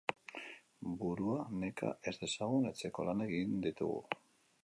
Burua neka ez dezagun, etxeko lanak egin ditugu.